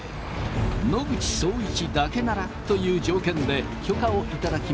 野口聡一だけならという条件で許可を頂きました。